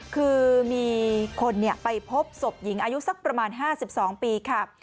คือมีคนไปพบศพหญิงอายุสักประมาณ๕๒ปีค่ะ